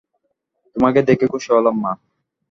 তোমাকে দেখে খুশি হলাম, মা।